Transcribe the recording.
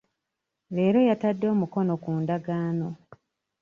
Leero yatadde omukono ku ndagaano.